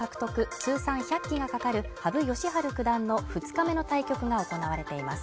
通算１００期がかかる羽生善治九段の２日目の対局が行われています